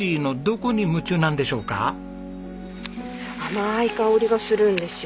甘い香りがするんですよ。